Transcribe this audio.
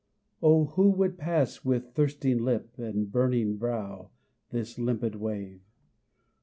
Oh, who would pass with thirsting lip And burning brow, this limpid wave?